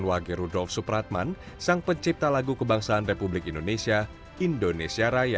wage rudolf supratman sang pencipta lagu kebangsaan republik indonesia indonesia raya